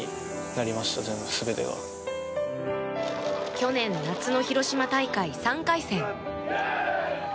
去年夏の広島大会３回戦。